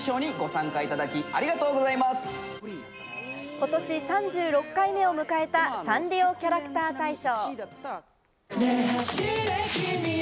今年３６回目を迎えたサンリオキャラクター大賞。